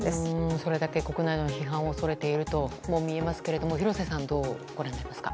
それだけ国内の批判を恐れているとも見えますけど廣瀬さん、どうご覧になりますか。